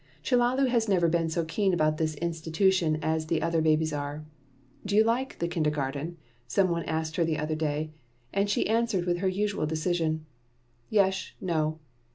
Chellalu has never been so keen about this institution as the other babies are. "Do you like the kindergarten?" some one asked her the other day; and she answered with her usual decision: "Yesh. No."